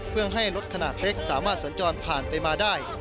เพื่อให้รถขนาดเล็กสามารถสัญจรผ่านไปมาได้